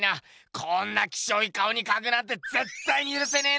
こんなキショイ顔にかくなんてぜったいにゆるせねぇな！